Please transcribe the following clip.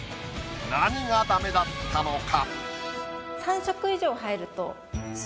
何がダメだったのか？